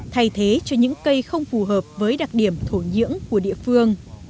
thay thế cho những cây không phù hợp với đặc điểm thổ nhưỡng của địa phương